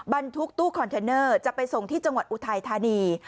บรรทุกตู้คอนเทนเนอร์จะไปส่งที่จังหวัดอุทัยธานี